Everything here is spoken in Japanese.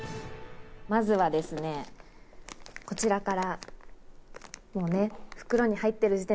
まずはですね、こちらから。